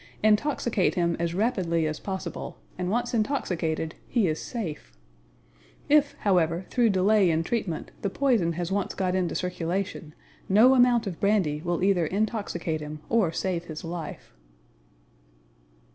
Intoxicate him as rapidly as possible, and, once intoxicated, he is safe. If, however, through delay in treatment, the poison has once got into circulation no amount of brandy will either intoxicate him or save his life.